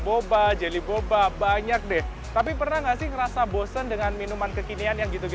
boba jeli boba banyak deh tapi pernah nggak sih ngerasa bosen dengan minuman kekinian yang gitu